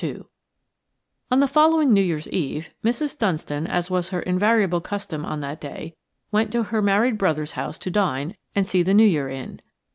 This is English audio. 2 ON the following New Year's Eve, Mrs. Dunstan, as was her invariable custom on that day, went to her married brother's house to dine and to see the New Year in.